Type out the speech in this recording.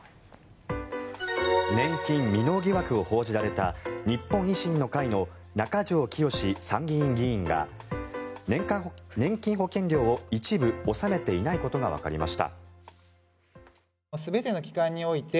年金未納疑惑を報じられた日本維新の会の中条きよし参議院議員が年金保険料を一部納めていないことがわかりました。